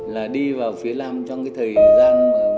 là đi vào phía nam trong cái thời gian